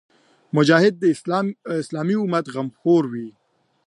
مجاهد د اسلامي امت غمخور وي.